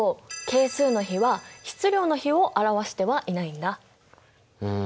係数の比は質量の比を表してはいないんだ。うん。